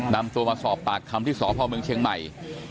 นำตัวมาสอบปากคำที่สพเมืองเชียงใหม่